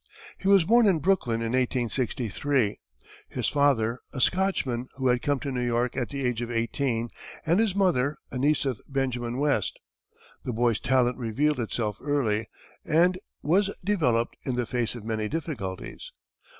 He was born in Brooklyn in 1863, his father a Scotchman who had come to New York at the age of eighteen, and his mother a niece of Benjamin West. The boy's talent revealed itself early, and was developed in the face of many difficulties.